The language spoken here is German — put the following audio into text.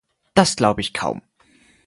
Das glaube ich kaum!